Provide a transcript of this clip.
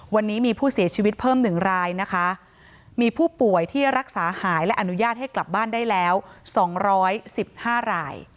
วันนี้มีผู้เสียชีวิตเพิ่ม๑รายนะคะมีผู้ป่วยที่รักษาหายและอนุญาตให้กลับบ้านได้แล้ว๒๑๕ราย